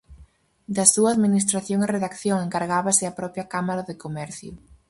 Da súa administración e redacción encargábase a propia Cámara de Comercio.